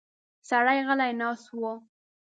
سړی غلی ناست و.